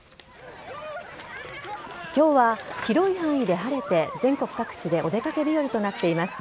今日は広い範囲で晴れて全国各地でお出掛け日和となっています。